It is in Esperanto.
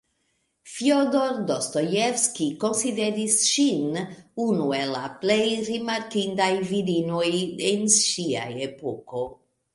Fjodor Dostojevskij konsideris ŝin unu el la plej rimarkindaj virinoj en ŝia epoko.